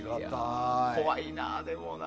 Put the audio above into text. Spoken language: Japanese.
怖いな、でもな。